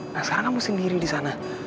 nah sekarang kamu sendiri di sana